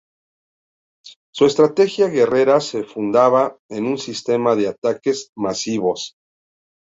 Su estrategia guerrera se fundaba en un sistema de ataques masivos.